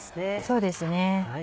そうですね。